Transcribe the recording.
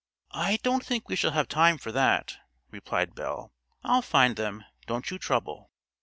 "I don't think we shall have time for that," replied Belle. "I'll find them; don't you trouble."